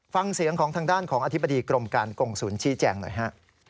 ฟังเสียงของทางด้านของอธิบดีกรมการกงศูนย์ชี้แจงหน่อยฮะ